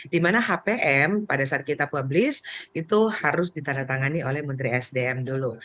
di mana hpm pada saat kita publis itu harus ditandatangani oleh menteri sdm dulu